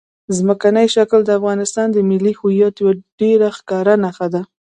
ځمکنی شکل د افغانستان د ملي هویت یوه ډېره ښکاره نښه ده.